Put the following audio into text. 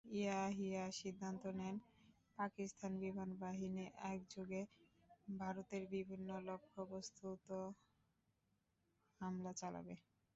ইয়াহিয়া সিদ্ধান্ত নেন, পাকিস্তান বিমানবাহিনী একযোগে ভারতের বিভিন্ন লক্ষ্যবস্তুতে হামলা চালাবে।